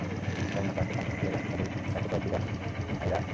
রমনা পার্কের কাঞ্চন ফুলের গাছের সারির কাছে কয়েকটি গাছে ধাইরা আছে।